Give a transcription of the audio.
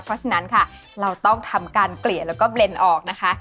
เพราะฉะนั้นค่ะเราต้องทำการเกลี่ยแล้วก็เบลนด์ออกนะคะ